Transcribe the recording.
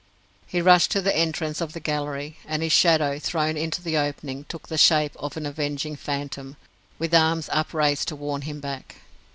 He rushed to the entrance of the gallery, and his shadow, thrown into the opening, took the shape of an avenging phantom, with arms upraised to warn him back.